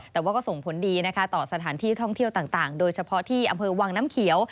แต่ว่าก็ส่งผลดีนะคะต่อสถานที่ท่องเที่ยวต่างโดยเฉพาะที่อำเภอวังน้ำเขียว